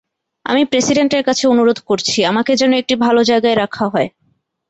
আমি প্রেসিডেন্টের কাছে অনুরোধ করছি, আমাকে যেন একটি ভালো জায়গায় রাখা হয়।